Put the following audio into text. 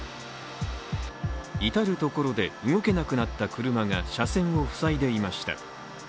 至る所で動けなくなった車が車線を塞いでいました。